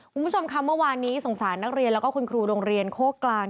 คุณผู้ชมค่ะเมื่อวานนี้สงสารนักเรียนแล้วก็คุณครูโรงเรียนโคกกลาง